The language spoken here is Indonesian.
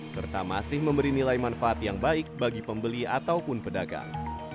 serta masih memberi nilai manfaat yang baik bagi pembeli ataupun pedagang